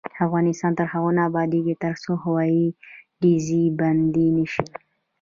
افغانستان تر هغو نه ابادیږي، ترڅو هوایي ډزې بندې نشي.